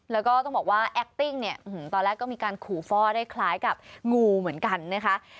แล้วก็ต้องบอกว่าแอคติ้งเนี่ยตอนแรกก็มีการขู่ฟ่อได้คล้ายกับงูเหมือนกันนะคะ